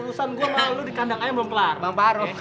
urusan gue malah lo di kandang a yang belum kelar bang paruh